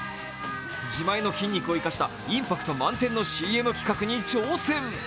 自前の筋肉を生かしたインパクト満点のＣＭ企画に挑戦。